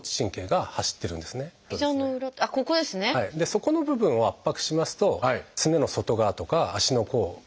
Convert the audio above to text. そこの部分を圧迫しますとすねの外側とか足の甲にですね